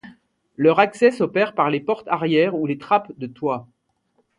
Leur accès s'opère par les portes arrière ou les trappes de toit.